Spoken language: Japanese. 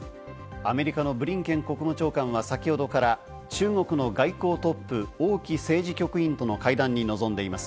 アメリカのブリンケン国務長官は、先ほどから中国の外交トップ、オウ・キ政治局員との会談に臨んでいます。